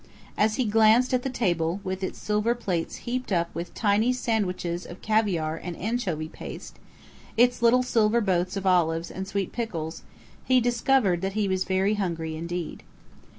As he glanced at the table, with its silver plates heaped with tiny sandwiches of caviar and anchovy paste, its little silver boats of olives and sweet pickles, he discovered that he was very hungry indeed....